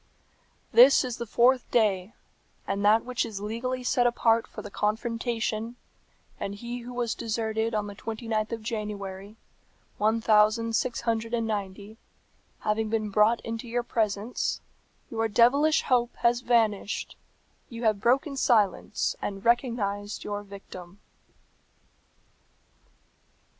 "This is the fourth day, and that which is legally set apart for the confrontation, and he who was deserted on the twenty ninth of January, one thousand six hundred and ninety, having been brought into your presence, your devilish hope has vanished, you have broken silence, and recognized your victim."